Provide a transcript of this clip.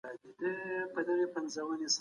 بنسټګر خوشاله دی.